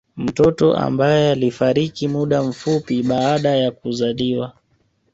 Mtoto ambae alifariki muda mfupi baada ya kuzaliwa